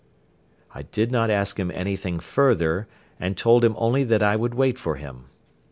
I did not ask him anything further and told him only that I would wait for him.